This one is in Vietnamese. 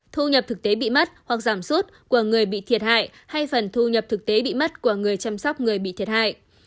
thu nhập thực tế bị mất hoặc giảm sút của người bị thiệt hại hay phần thu nhập thực tế bị mất của người chăm sóc người bị thiệt hại